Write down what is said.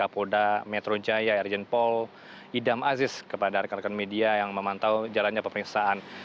polda metro jaya irjen paul idam aziz kepada rekan rekan media yang memantau jalannya pemeriksaan